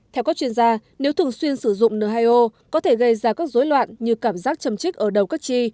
theo các chuyên gia nếu thường xuyên sử dụng n hai o có thể gây ra các dối loạn như cảm giác chầm chích ở đầu cất chi